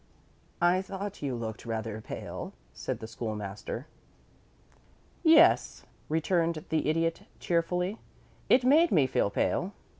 "I thought you looked rather pale," said the School master. "Yes," returned the Idiot, cheerfully, "it made me feel pale.